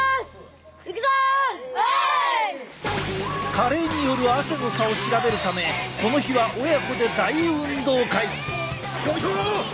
加齢による汗の差を調べるためこの日は親子で大運動会！